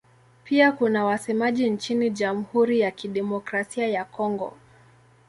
Pia kuna wasemaji nchini Jamhuri ya Kidemokrasia ya Kongo.